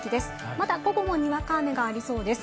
まだ午後もにわか雨がありそうです。